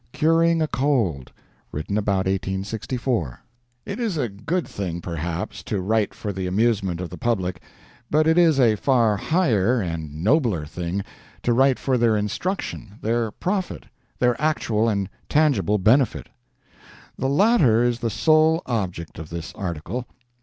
CURING A COLD [Written about 1864] It is a good thing, perhaps, to write for the amusement of the public, but it is a far higher and nobler thing to write for their instruction, their profit, their actual and tangible benefit. The latter is the sole object of this article.